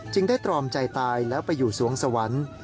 ได้ตรอมใจตายแล้วไปอยู่สวงสวรรค์